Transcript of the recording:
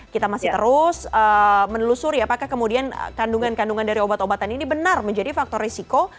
kita masih terus menelusuri apakah kemudian kandungan kandungan dari obat obatan ini benar menjadi faktor risiko